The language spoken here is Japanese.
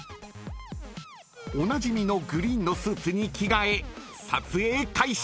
［おなじみのグリーンのスーツに着替え撮影開始］